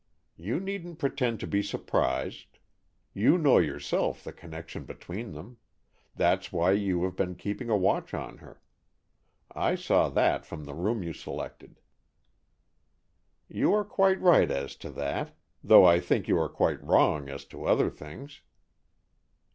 You needn't pretend to be surprised, you know yourself the connection between them, that's why you have been keeping a watch on her, I saw that from the room you selected, " "You are quite right as to that, though I think you are quite wrong as to other things."